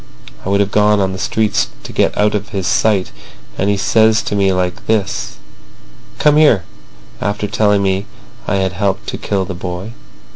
I would have gone on the streets to get out of his sight. And he says to me like this: 'Come here,' after telling me I had helped to kill the boy.